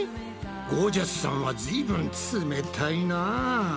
ゴー☆ジャスさんはずいぶん冷たいな。